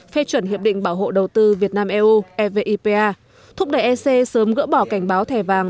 phê chuẩn hiệp định bảo hộ đầu tư việt nam eu evipa thúc đẩy ec sớm gỡ bỏ cảnh báo thẻ vàng